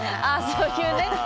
そういうね。